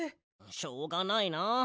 しょうがないな。